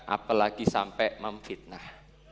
apalagi sampai memfitnah